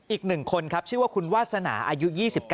อีก๑คนครับชื่อว่าคุณวาสนาอายุ๒๙